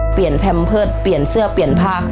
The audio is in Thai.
แพมเพิร์ตเปลี่ยนเสื้อเปลี่ยนผ้า